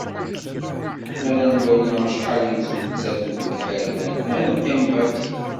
Mi ara nwali acḥal i yettmettaten deg yiberdan, ad neqqim bati.